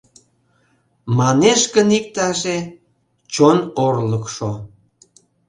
Манеш гын иктаже: чон орлыкшо